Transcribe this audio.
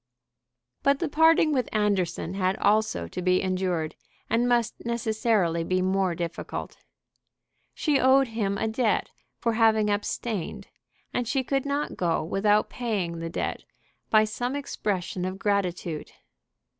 But the parting with Anderson had also to be endured, and must necessarily be more difficult. She owed him a debt for having abstained, and she could not go without paying the debt by some expression of gratitude.